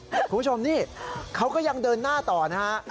คุณผู้ชมนี่เขาก็ยังเดินหน้าต่อนะฮะ